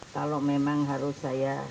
kalau memang harus saya